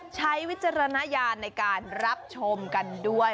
วิจารณญาณในการรับชมกันด้วย